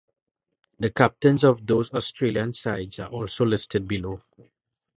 The captains of those Australian sides are also listed below.